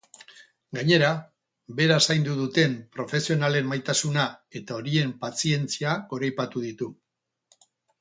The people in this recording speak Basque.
Gainera, bera zaindu duten profesionalen maitasuna eta horien pazientzia goraipatu ditu.